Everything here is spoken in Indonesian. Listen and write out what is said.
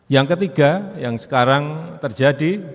yang ketiga yang sekarang terjadi